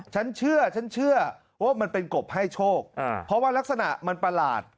ฉันเชื่อฉันเชื่อว่ามันเป็นกบให้โชคเพราะว่ารักษณะมันประหลาด